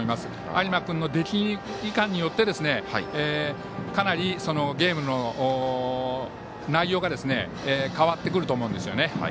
有馬君の出来いかんによってかなりゲームの内容が変わってくると思うんですよね。